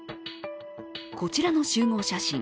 こちらの集合写真。